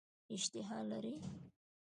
اشتها لري.